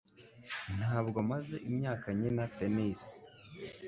Ntabwo maze imyaka nkina tennis